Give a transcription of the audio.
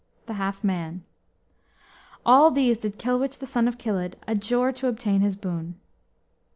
] the half man." All these did Kilwich, the son of Kilydd, adjure to obtain his boon.